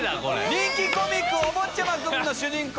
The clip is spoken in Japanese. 人気コミック『おぼっちゃまくん』主人公